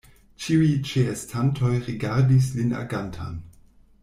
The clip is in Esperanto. Ĉiuj ĉeestantoj rigardis lin agantan.